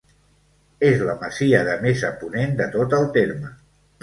És la masia de més a ponent de tot el terme.